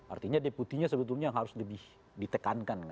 artinya deputinya sebetulnya yang harus ditekankan